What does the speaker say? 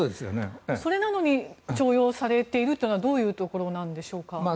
それなのに重用されているというのはどういうところなんでしょうか。